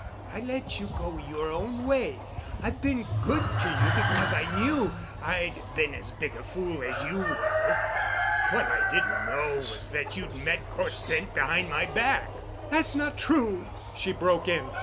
I let you go your own way. I've been good to you because I knew I'd been as big a fool as you were. What I didn't know was that you'd met Cort Bent behind my back——" "That is not true," she broke in.